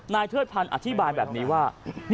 นายเทศภัณฑ์อธิบายแบบนี้ว่า